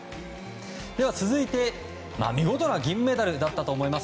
続いて見事な銀メダルだったと思います。